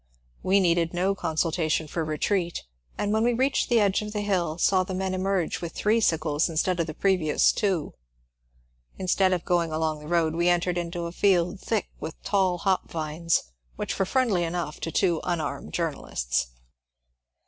We needed no consulta tion for retreat, and when we reached the edge of the hill saw the men emerge with three sickles instead of the previ ous two. Instead of going along the road we entered into a field thick with tall hop vines which were friendly enough to two unarmed journalists.